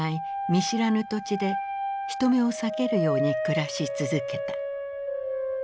見知らぬ土地で人目を避けるように暮らし続けた。